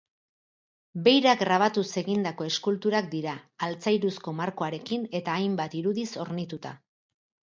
Beira grabatuz egindako eskulturak dira, altzairuzko markoarekin eta hainbat irudiz hornituta.